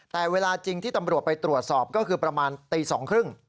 แต่เวลาจริงที่ตำรวจไปตรวจสอบก็คือประมาณตี๒๓๐